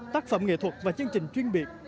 tác phẩm nghệ thuật và chương trình chuyên biệt